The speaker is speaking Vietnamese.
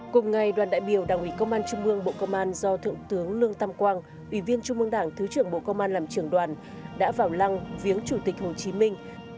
cùng ngày đoàn đại biểu đảng ủy công an trung mương bộ công an do thượng tướng lương tam quang ủy viên trung mương đảng thứ trưởng bộ công an làm trưởng đoàn đã vào lăng viếng chủ tịch hồ chí minh